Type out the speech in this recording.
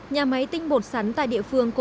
nhà máy tinh bột sắn tài liệu